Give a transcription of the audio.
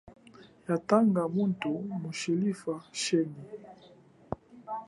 Ya tanga muthu mutshilifa chenyi.